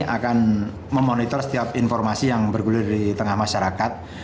akan memonitor setiap informasi yang bergulir di tengah masyarakat